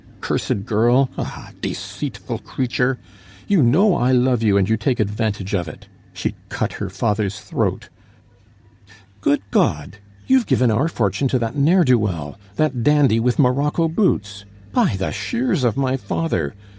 Cursed girl! Ah, deceitful creature! You know I love you, and you take advantage of it. She'd cut her father's throat! Good God! you've given our fortune to that ne'er do well, that dandy with morocco boots! By the shears of my father!